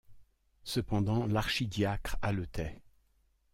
Cependant l’archidiacre haletait.